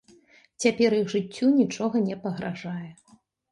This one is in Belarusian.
Цяпер іх жыццю нічога не пагражае.